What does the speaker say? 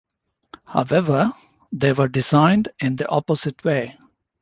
However, they were designed in the opposite way.